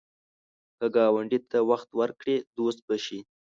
که ګاونډي ته وخت ورکړې، دوست به شي